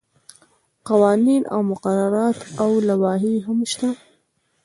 قوانین او مقررات او لوایح هم شته.